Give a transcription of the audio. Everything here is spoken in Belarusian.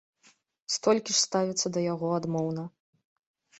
Столькі ж ставіцца да яго адмоўна.